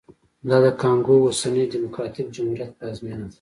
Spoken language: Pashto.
دا د کانګو اوسني ډیموکراټیک جمهوریت پلازمېنه ده